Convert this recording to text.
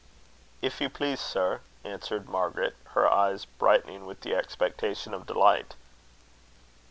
"If you please, sir," answered Margaret, her eyes brightening with the expectation of deliglit.